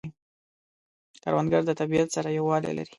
کروندګر د طبیعت سره یووالی لري